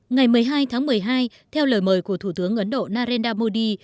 ngày một mươi hai tháng một mươi hai theo lời mời của thủ tướng ấn độ narendra modi